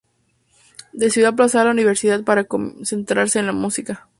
Decidió aplazar la universidad para concentrarse en la música.